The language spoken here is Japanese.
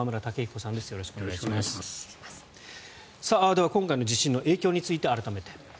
では今回の地震の影響について、改めて。